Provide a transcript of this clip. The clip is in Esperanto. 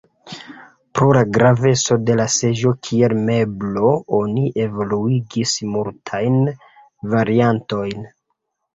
Pro la graveco de la seĝo kiel meblo oni evoluigis multajn variantojn.